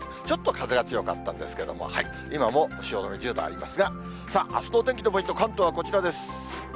ちょっと風が強かったんですけれども、今も汐留１０度ありますが、さあ、あすのお天気のポイント、関東はこちらです。